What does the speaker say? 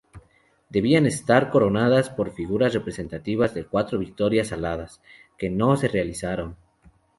Debían estar coronadas por figuras representativas de cuatro victorias aladas, que no se realizaron.